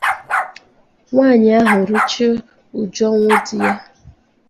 nwaanyị ahụ ruchaa uju ọnwụ di ya